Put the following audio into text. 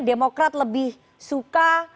demokrat lebih suka